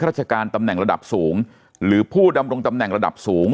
ราชการตำแหน่งระดับสูงหรือผู้ดำรงตำแหน่งระดับสูง